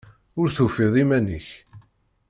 Ur tufiḍ iman-nnek.